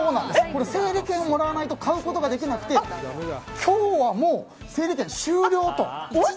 整理券をもらわないと買うことができなくて今日はもう、整理券終了と。